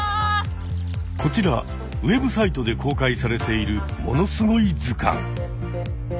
こちらウェブサイトで公開されている「ものすごい図鑑」。